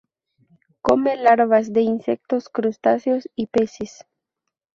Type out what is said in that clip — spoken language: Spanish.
Come larvas de insectos, crustáceos y peces.